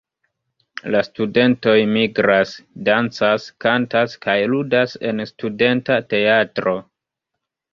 La studentoj migras, dancas, kantas kaj ludas en studenta teatro.